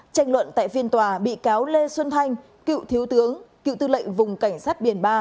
tranh luận tại phiên tòa bị cáo lê xuân thanh cựu thiếu tướng cựu tư lệnh vùng cảnh sát biển ba